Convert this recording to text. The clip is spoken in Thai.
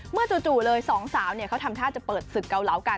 จู่เลยสองสาวเขาทำท่าจะเปิดศึกเกาเหลากัน